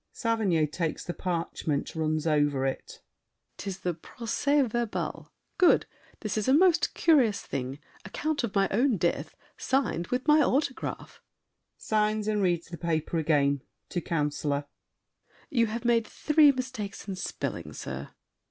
SAVERNY (takes the parchment, runs over it). 'Tis the procès verbal. Good! This is a most curious thing—account Of my own death, signed with my autograph! [Signs, and reads the paper again: to Councilor. You have made three mistakes in spelling, sir.